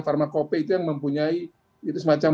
pharmacope itu yang mempunyai itu semacam